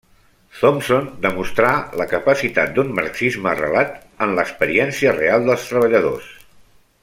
Thompson demostrà la capacitat d'un marxisme arrelat en l'experiència real dels treballadors.